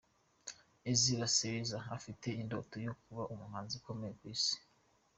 Ezra Sebeza afite indoto yo kuba umuhanzi ukomeye ku isi.